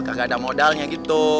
kagak ada modalnya gitu